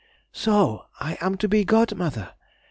So I am to be godmother!